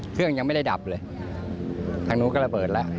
เครื่องยังไม่ได้ดับเลยทางนู้นก็ระเบิดแล้ว